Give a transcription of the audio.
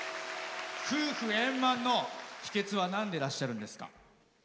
夫婦円満の秘けつはなんでらっしゃるんですか？